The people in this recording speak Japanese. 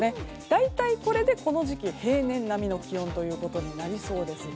大体これでこの時期平年並みの気温ということになりそうです。